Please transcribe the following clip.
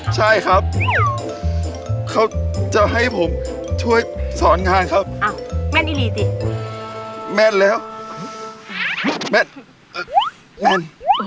ใช่ครับเขาจะให้ผมช่วยสอนงานครับแม่นอิลีสิแม่นแล้วแม่นแม่น